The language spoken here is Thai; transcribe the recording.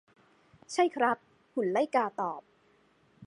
ใช่ครับ หุ่นไล่กาตอบ